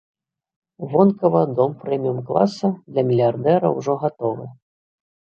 Вонкава дом прэміум-класа для мільярдэра ўжо гатовы.